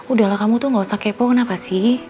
udahlah kamu tuh gak usah kepo kenapa sih